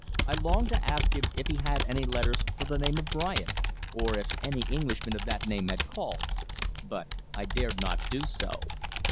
I longed to ask him if he had any letters for the name of Bryant, or if any Englishman of that name had called, but I dared not do so.